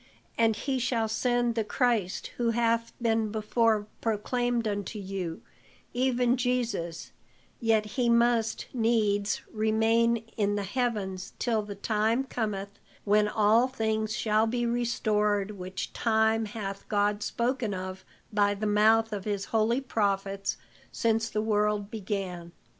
And he shall send the Christ who hath been before proclaimed unto you, even Jesus; yet he must needs remain in the heavens till the time cometh when all things shall be restored, which time hath God spoken of by the mouth of his holy prophets since the world began.